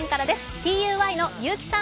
ＴＵＹの結城さん。